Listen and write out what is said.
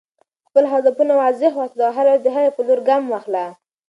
خپل هدفونه واضح وساته او هره ورځ د هغې په لور ګام واخله.